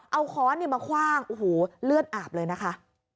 เอาค้อนมาคว่างโอ้โหเลือดอาบเลยนะคะ